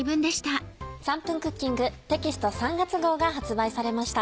『３分クッキング』テキスト３月号が発売されました。